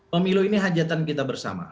pemilu ini hajatan kita bersama